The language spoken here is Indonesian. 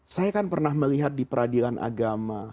saya kan pernah melihat di peradilan agama